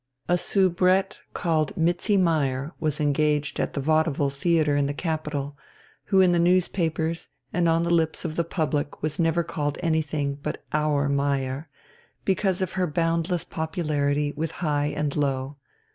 A soubrette called Mizzi Meyer was engaged at the "Vaudeville" theatre in the capital, who in the newspapers and on the lips of the public was never called anything but "our" Meyer, because of her boundless popularity with high and low.